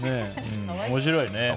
面白いね。